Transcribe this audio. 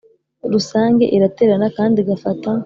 Rusange iraterana kandi igafata